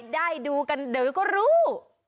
ได้ดูกันเดี๋ยวก็รู้